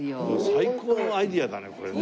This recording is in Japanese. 最高のアイデアだねこれね。